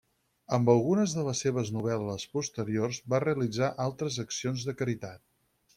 Amb algunes de les seves novel·les posteriors va realitzar altres accions de caritat.